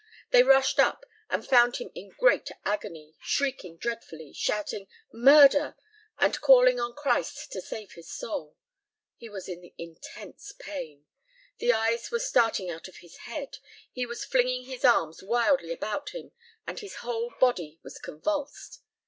They rushed up, and found him in great agony, shrieking dreadfully, shouting "Murder!" and calling on Christ to save his soul. He was in intense pain. The eyes were starting out of his head. He was flinging his arms wildly about him, and his whole body was convulsed.